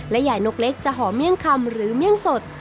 ใหญ่นกเล็กจะหอมเมี่ยงคำหรือเมี่ยงสด